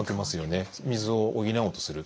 水を補おうとする。